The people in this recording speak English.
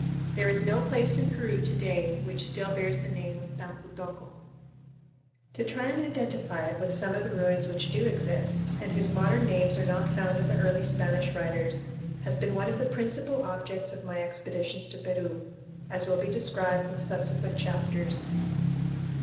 There is no place in Peru to day which still bears the name of Tampu tocco. To try and identify it with some of the ruins which do exist, and whose modern names are not found in the early Spanish writers, has been one of the principal objects of my expeditions to Peru, as will be described in subsequent chapters.